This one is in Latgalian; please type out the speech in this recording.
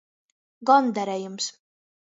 Gondarejums.